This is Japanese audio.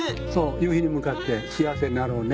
夕日に向かって幸せになろうね。